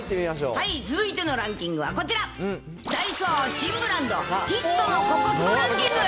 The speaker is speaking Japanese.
続いてのランキングはこちら、ダイソー新ブランド、ヒットのココすご！